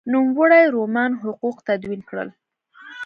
نوموړي رومن حقوق تدوین کړل.